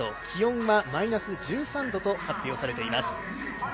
気温はマイナス１３度と発表されています。